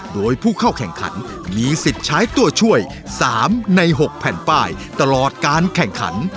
โดยผู้เข้าแข่งขันมีสิทธิ์ใช้ตัวช่วย๓ใน๖แผ่นป้ายตลอดการแข่งขัน